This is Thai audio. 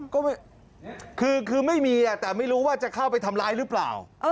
ก็คือไม่มีแต่ไม่รู้ว่าจะเข้าไปทำร้ายหรือเปล่า